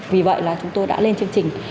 vì vậy là chúng tôi đã lên chương trình